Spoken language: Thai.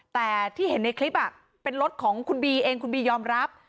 แต่ที่เห็นในคลิปเป็นรถของคุณบีเองคุณบียอมรับ